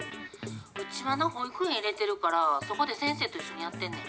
うちは保育園入れてるから、そこで先生と一緒にやってんねん。